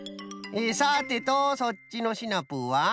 さてとそっちのシナプーは？